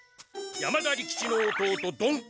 山田利吉の弟曇吉？